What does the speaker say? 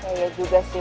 kayaknya juga sih